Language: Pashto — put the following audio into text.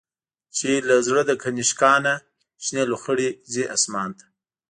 چی له زړه د”کنشکا”نه، شنی لو خړی ځی آسمان ته